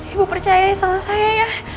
ibu percaya sama saya ya